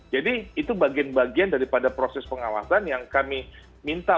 jadi itu bagian bagian daripada proses pengawasan yang kami minta